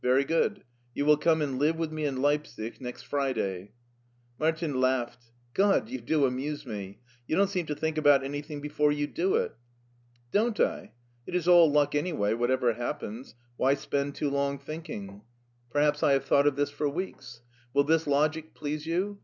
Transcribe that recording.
Very good. You will come and live with me in Leipsic next Fri day.'' Martin laughed. " God ! you do amuse me ! You don't seem to think about anything before you do it." "Don't I? It is all luck an)rway, whatever hap pens; why spend too long thinking? Perhaps I have X04 LEIPSIC 105 thought of this for weeks. Will this logic please you?